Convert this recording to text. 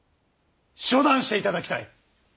処断していただきたい！